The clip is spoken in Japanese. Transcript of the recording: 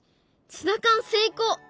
ツナ缶成功！